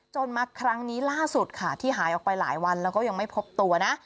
มาครั้งนี้ล่าสุดค่ะที่หายออกไปหลายวันแล้วก็ยังไม่พบตัวนะ